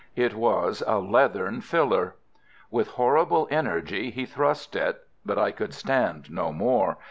It was a leathern filler. With horrible energy he thrust it—but I could stand no more.